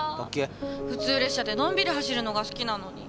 普通列車でのんびり走るのが好きなのに。